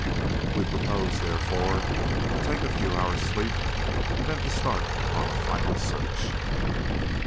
We propose therefore to take a few hours' sleep, and then to start upon a final search.